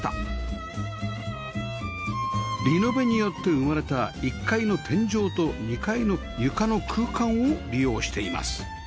リノベによって生まれた１階の天井と２階の床の空間を利用しています